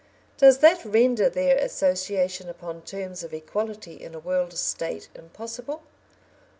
Does that render their association upon terms of equality in a World State impossible?